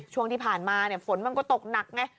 ช่วงที่ผ่านมาฝนมันก็ตกหนักไง